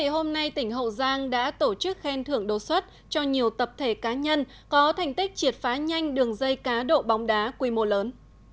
hôm nay tỉnh hậu giang đã tổ chức khen thưởng đột xuất cho nhiều tập thể cá nhân có thành tích triệt phá nhanh đường dây cá độ bóng đá quy mô lớn